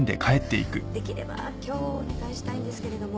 できれば今日お願いしたいんですけれども。